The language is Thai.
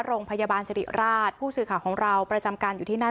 โรงพยาบาลสิริราชผู้สื่อข่าวของเราประจำการอยู่ที่นั่น